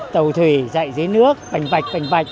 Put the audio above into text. tàu thủy dạy dưới nước bành vạch bành vạch